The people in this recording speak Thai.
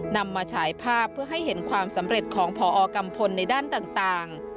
นำมาฉายภาพเพื่อให้เห็นความสำเร็จของพอกัมพลในด้านต่าง